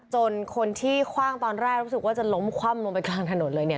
คนที่คว่างตอนแรกรู้สึกว่าจะล้มคว่ำลงไปกลางถนนเลยเนี่ย